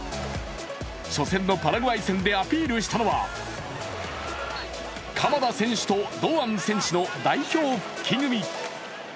初戦のパラグアイ戦でアピールしたのは鎌田選手と堂安選手の代表復帰組。